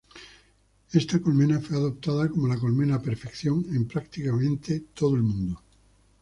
Esta colmena fue adoptada como la "colmena perfección" en prácticamente todo el mundo.